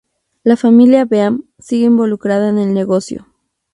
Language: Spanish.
La familia Beam sigue involucrada en el negocio.